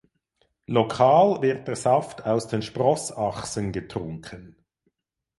Lokal wird der Saft aus den Sprossachsen getrunken.